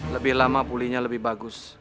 lebih lama pulihnya lebih bagus